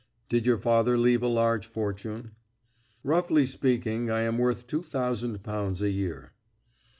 "Did your father leave a large fortune?" "Roughly speaking, I am worth two thousand pounds a year."